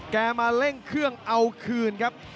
มาเร่งเครื่องเอาคืนครับ